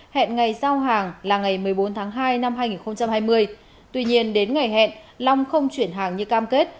hẹn ngày giao hàng là ngày một mươi bốn tháng hai năm hai nghìn hai mươi tuy nhiên đến ngày hẹn long không chuyển hàng như cam kết